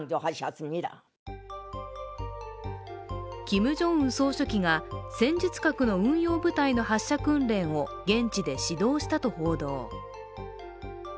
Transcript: キム・ジョンウン書記長が戦術核の運用部隊の発射訓練を現地で指導したと報道。